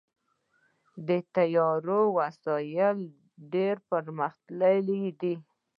د طیارې وسایل ډېر پرمختللي دي.